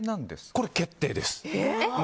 これは決定です。